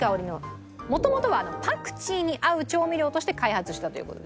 もともとはパクチーに合う調味料として開発したという事です。